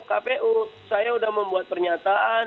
kpu saya sudah membuat pernyataan